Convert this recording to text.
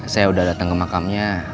saya udah datang ke makamnya